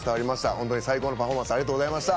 本当に最高のパフォーマンスありがとうございました。